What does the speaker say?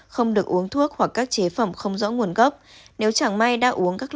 không được uống thuốc hoặc các chế phẩm không rõ nguồn gốc